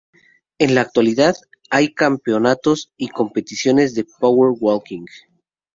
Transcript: En la actualidad, hay campeonatos y competiciones de Power walking.